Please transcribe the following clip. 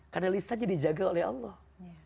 karena lisannya dijaga oleh allah